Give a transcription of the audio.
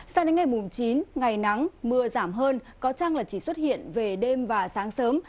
sao đến ngày mùng chín ngày nắng mưa giảm hơn có chăng là chỉ xuất hiện về đêm và sáng sớm